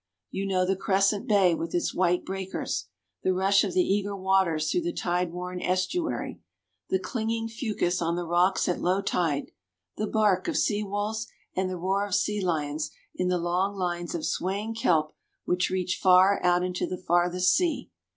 You know the crescent bay, with its white breakers, the rush of the eager waters through the tide worn estuary, the clinging fucus on the rocks at low tide, the bark of sea wolves, and the roar of sea lions in the long lines of swaying kelp which reach far out into the farthest sea.